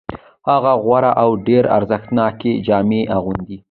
هغه غوره او ډېرې ارزښتناکې جامې اغوندي